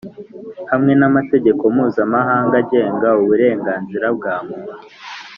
hamwe n’amategeko mpuzamahanga agenga uburenganzira bwa muntu.